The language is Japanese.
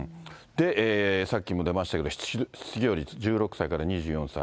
さっきも出ましたけども、失業率、１６歳から２４歳。